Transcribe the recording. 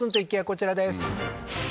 こちらです